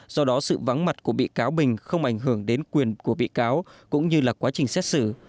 do đó sự vắng mặt của bị cáo bình không ảnh hưởng đến quyền của bị cáo cũng như là quá trình xét xử